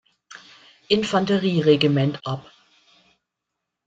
Infanterieregiment ab.